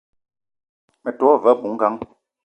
Me te wa ve abui-ngang